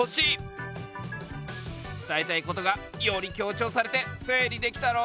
伝えたいことがより強調されて整理できたろ？